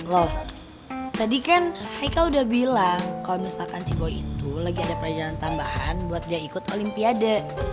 loh tadi kan haikal udah bilang kalau misalkan cigo itu lagi ada perjalanan tambahan buat dia ikut olimpiade